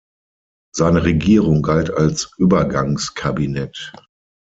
Seine Regierung galt als Übergangskabinett.